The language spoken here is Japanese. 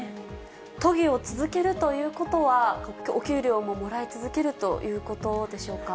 都議を続けるということは、お給料ももらい続けるということでしょうか。